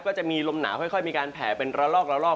ก็จะมีลมหนาวค่อยมีการแผ่เป็นระลอกระลอก